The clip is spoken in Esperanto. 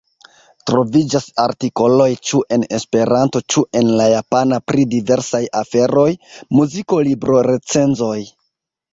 Troviĝas artikoloj ĉu en Esperanto ĉu en la Japana pri diversaj aferoj: muziko, libro-recenzoj.